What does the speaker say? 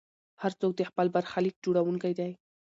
هر څوک د خپل برخلیک جوړونکی دی.